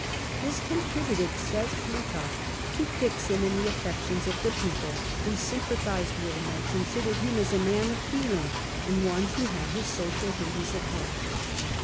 " This contributed," says Plutarch, " to fix him in the affections of the people, who sympathised with him, and considered him as a man of feeling, and one who had his social duties at heart."